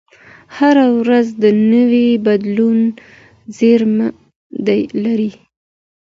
هره ورځ د نوي بدلون زېری لري